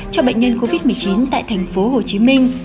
cho bệnh nhân covid một mươi chín tại tp hcm